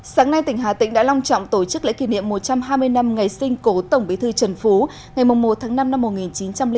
sáng nay tỉnh hà tĩnh đã long trọng tổ chức lễ kỷ niệm một trăm hai mươi năm ngày sinh cổ tổng bí thư trần phú